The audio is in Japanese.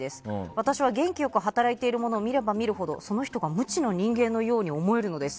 私は、元気よく働いているものを見ればみるほどその人が無知な人間のように思えるのです。